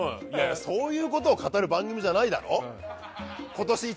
そういうことを語る番組じゃないだろ？